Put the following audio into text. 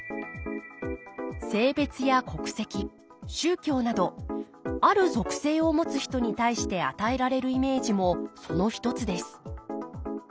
性別や国籍宗教などある属性を持つ人に対して与えられるイメージもその一つです